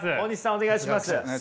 お願いします。